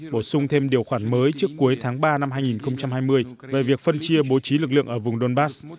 bổ sung thêm điều khoản mới trước cuối tháng ba năm hai nghìn hai mươi về việc phân chia bố trí lực lượng ở vùng donbass